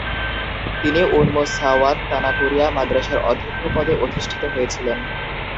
তিনি উন্মুসসা’ওয়াত তানাকুরিয়া মাদ্রাসার অধ্যক্ষ পদে অধিষ্ঠিত হয়েছিলেন।